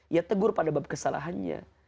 ya tegur pada bab kesalahannya